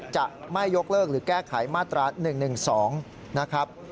จะไม่ยกเลิกหรือแก้ไขมาตรา๑๑๒นะครับ